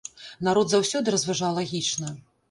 Народ заўсёды разважаў лагічна.